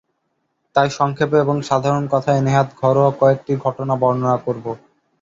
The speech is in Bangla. তাই সংক্ষেপে এবং সাধারণ কথায় নেহাত ঘরোয়া কয়েকটি ঘটনা বর্ণনা করব।